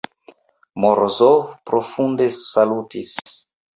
Morozov profunde salutis.